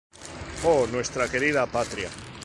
Oh nuestra querida Patria!